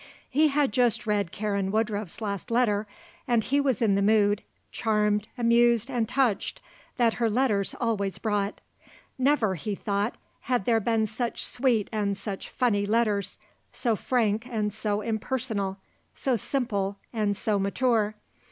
He had just read Karen Woodruff's last letter, and he was in the mood, charmed, amused and touched, that her letters always brought. Never, he thought, had there been such sweet and such funny letters; so frank and so impersonal; so simple and so mature.